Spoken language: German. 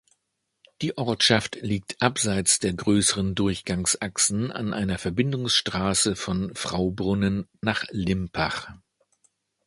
Die Ortschaft liegt abseits der grösseren Durchgangsachsen an einer Verbindungsstrasse von Fraubrunnen nach Limpach.